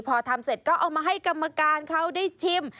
พอทำเสร็จก็เอามาให้กรรมการเขาได้ชิม